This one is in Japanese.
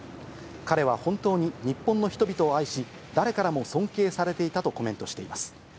彼は本当に日本の人々を愛し、誰からも尊敬されていたとコメントしています。